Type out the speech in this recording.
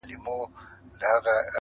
زه چی هرڅومره زړېږم دغه فکر مي زیاتیږي-